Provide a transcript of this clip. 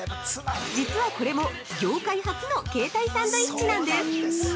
実はこれも、業界初の携帯サンドイッチなんです！